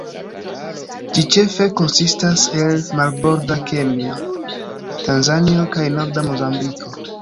Ĝi ĉefe konsistas el marborda Kenjo, Tanzanio kaj norda Mozambiko.